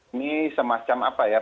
ini semacam apa ya